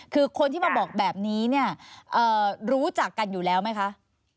คือคนที่มาบอกแบบนี้เนี่ยรู้จักกันอยู่แล้วไหมคะ